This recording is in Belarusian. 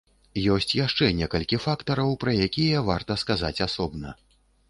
Ёсць яшчэ некалькі фактараў, пра якія варта сказаць асобна.